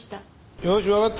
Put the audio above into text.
よしわかった。